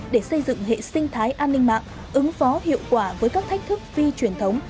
để xây dựng hệ sinh thái an ninh mạng ứng phó hiệu quả với các thách thức phi truyền thống